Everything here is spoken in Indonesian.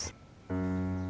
oh ya kenapa